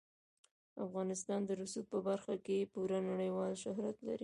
افغانستان د رسوب په برخه کې پوره نړیوال شهرت لري.